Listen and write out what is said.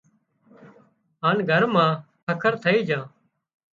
هانَ گھر مان ککر ٿئي جھان